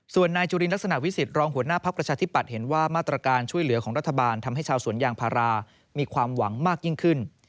ส่วนนายจุลินลักษณะวิสิทธิรองหัวหน้าภักดิ์ประชาธิปัตย์เห็นว่ามาตรการช่วยเหลือของรัฐบาลทำให้ชาวสวนยางพารามีความหวังมากยิ่งขึ้น